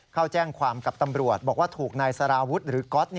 เข้าแจ้งความกับตำรวจบอกว่าถูกนายสารวุฒิหรือก๊อต